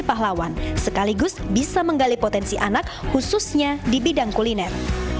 pahlawan sekaligus bisa menggali potensi anak khususnya di bidang kuliner